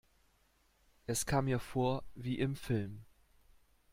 Es kam mir vor wie im Film.